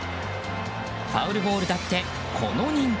ファウルボールだってこの人気。